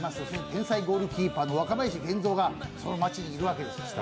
天才ゴールキーパーの若林源三がその町にいるわけです。